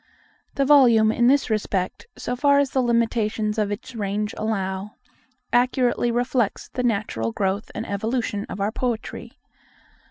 The volume, in this respect, so far as the limitations of its range allow, accurately reflects the natural growth and evolution of our poetry.